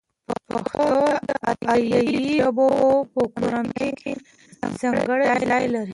پښتو د آریایي ژبو په کورنۍ کې ځانګړی ځای لري.